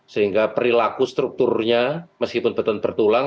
sehingga perilaku strukturnya meskipun betul bertulang